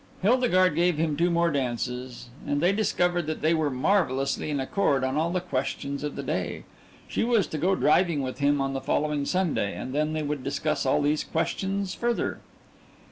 Hildegarde gave him two more dances, and they discovered that they were marvellously in accord on all the questions of the day. She was to go driving with him on the following Sunday, and then they would discuss all these questions further.